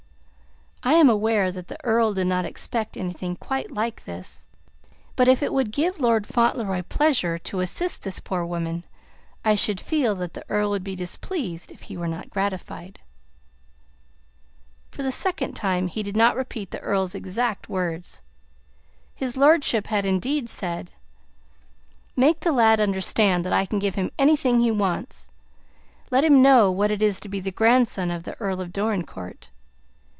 I am aware that the Earl did not expect anything quite like this; but if it would give Lord Fauntleroy pleasure to assist this poor woman, I should feel that the Earl would be displeased if he were not gratified." For the second time, he did not repeat the Earl's exact words. His lordship had, indeed, said: "Make the lad understand that I can give him anything he wants. Let him know what it is to be the grandson of the Earl of Dorincourt.